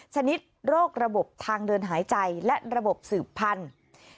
ชนิดโรคระบบทางเดินหายใจและระบบสืบพันธุ์